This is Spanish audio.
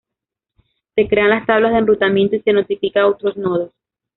Se crean las tablas de enrutamiento y se notifica a otros nodos.